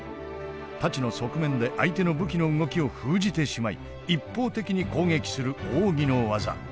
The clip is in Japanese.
太刀の側面で相手の武器の動きを封じてしまい一方的に攻撃する奥義の技。